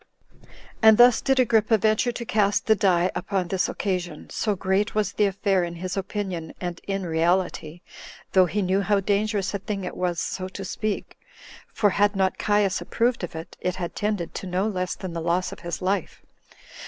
8. And thus did Agrippa venture to cast the die upon this occasion, so great was the affair in his opinion, and in reality, though he knew how dangerous a thing it was so to speak; for had not Caius approved of it, it had tended to no less than the loss of his life.